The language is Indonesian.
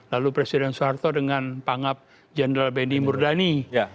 lalu presiden soeharto dengan pangab jendral bendi murdani